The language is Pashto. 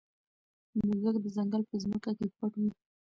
موږک د ځنګل په ځمکه کې پټ وي.